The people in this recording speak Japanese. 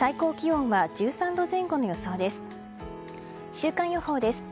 週間予報です。